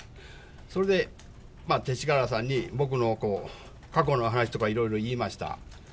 それで勅使河原さんに僕の過去の話とか、いろいろ言いました。